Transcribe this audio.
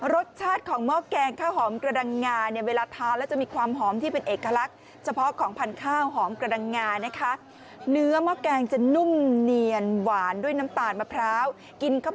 รสชาติของหม้อแกงข้าวหอมกระดังงาเวลาทานแล้วจะมีความหอมที่เป็นเอกลักษณ์